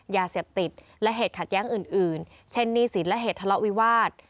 ยาเสพติดและเหตุขัดแย้งอื่นเช่นหนี้สินและเหตุทะเลาะวิวาส